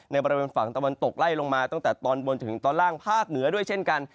บริเวณฝั่งตะวันตกไล่ลงมาตั้งแต่ตอนบนถึงตอนล่างภาคเหนือด้วยเช่นกัน